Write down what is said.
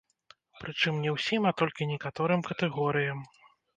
Прычым не ўсім, а толькі некаторым катэгорыям.